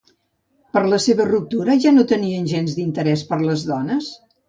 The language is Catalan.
Per la seva ruptura, ja no tenia gens d'interès per les dones?